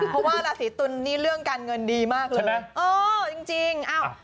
เพราะว่าราศีตุลนี่เรื่องการเงินดีมากเลยนะเออจริงอ้าว